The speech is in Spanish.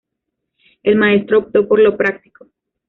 El maestro optó por lo práctico.